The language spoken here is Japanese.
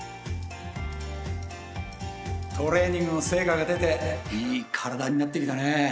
トレーニングの成果が出ていい体になってきたねえ。